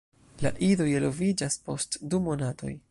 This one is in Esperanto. La idoj eloviĝas post du monatoj.